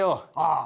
ああ。